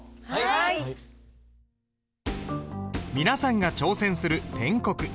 皆さんが挑戦する篆刻。